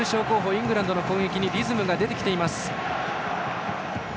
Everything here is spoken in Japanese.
イングランドの攻撃にリズムが出てきています。